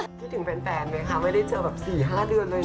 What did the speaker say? คิดถึงแฟนไหมคะไม่ได้เจอแบบ๔๕เดือนเลยนะ